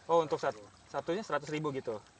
oh untuk satunya seratus ribu gitu